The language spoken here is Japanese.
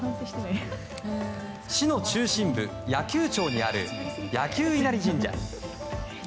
市の中心部、箭弓町にある箭弓稲荷神社。